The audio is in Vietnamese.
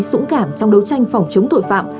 sũng cảm trong đấu tranh phòng chống tội phạm